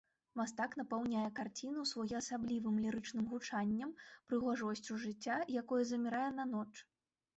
Мастак напаўняе карціну своеасаблівым лірычным гучаннем, прыгажосцю жыцця, якое замірае на ноч.